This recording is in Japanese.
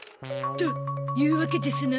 というわけですな。